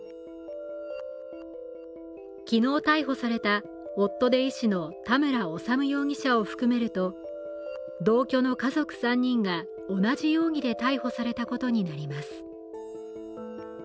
昨日逮捕された、夫で医師の田村修容疑者を含めると同居の家族３人が同じ容疑で逮捕されたことになります。